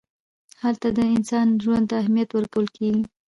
هلته د انسان ژوند ته اهمیت ورکول کېږي.